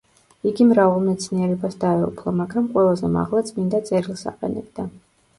იგი მრავალ მეცნიერებას დაეუფლა, მაგრამ ყველაზე მაღლა წმინდა წერილს აყენებდა.